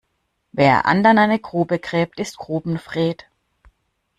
Wer anderen eine Grube gräbt, ist Grubenfred.